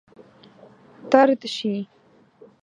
طرد شي.